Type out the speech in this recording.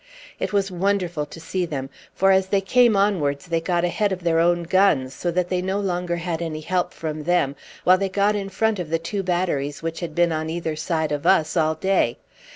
It was wonderful to see them; for as they came onwards they got ahead of their own guns, so that they had no longer any help from them, while they got in front of the two batteries which had been on either side of us all day.